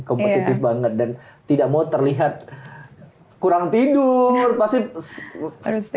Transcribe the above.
kompetitif banget dan tidak mau terlihat kurang tidur pasti